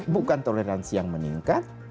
bukan toleransi yang meningkat